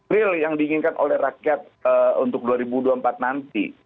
real yang diinginkan oleh rakyat untuk dua ribu dua puluh empat nanti